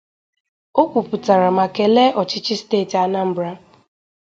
O kwupụtara ma kelee ọchịchị steeti Anambra